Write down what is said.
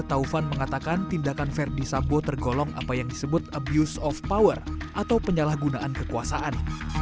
taufan mengatakan tindakan verdi sambo tergolong apa yang disebut abuse of power atau penyalahgunaan kekuasaan